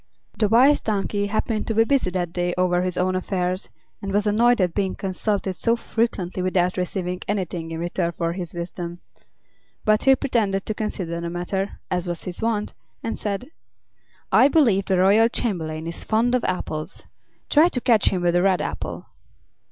The Wise Donkey happened to be busy that day over his own affairs and was annoyed at being consulted so frequently without receiving anything in return for his wisdom. But he pretended to consider the matter, as was his wont, and said: "I believe the royal chamberlain is fond of apples. Try to catch him with a red apple."